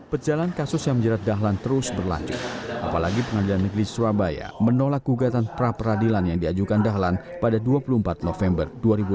pejalan kasus yang menjerat dahlan terus berlanjut apalagi pengadilan negeri surabaya menolak gugatan pra peradilan yang diajukan dahlan pada dua puluh empat november dua ribu enam belas